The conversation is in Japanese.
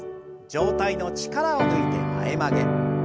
上体の力を抜いて前曲げ。